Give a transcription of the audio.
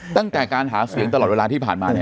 ตั้งแต่การหาเสียงตลอดเวลาที่ผ่านมา